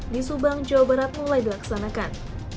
di subang jawa barat mulai dilaksanakan